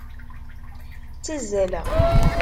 Ttazzaleɣ.